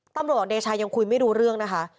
ตำรวจเดชายังคุยไม่รู้เรื่องนะคะ